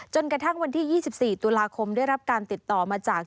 จนกระทั่งวันที่๒๔ตุลาคมได้รับการติดต่อมาจาก